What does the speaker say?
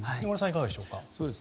いかがでしょうか。